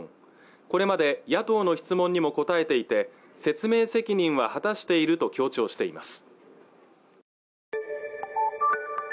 これまで野党の質問にも答えていて説明責任は果たしていると強調しています